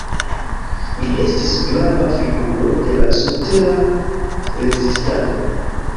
Li estis grava figuro de la subtera rezistado.